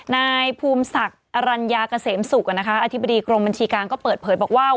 นายภูมิศักดิ์อรัญญาเกษมศุกร์อธิบดีกรมบัญชีการก็เปิดเผยบอกว่า